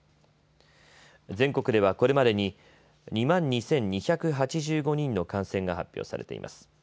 全国ではこれまでに２万２２８５人の感染が発表されています。